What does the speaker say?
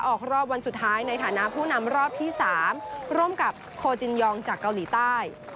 ออกรอบวันสุดท้ายในฐานะผู้นำรอบที่๓ร่วมกับโคจินยองจากเกาหลีใต้